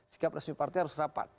sikap resmi partai harus rapat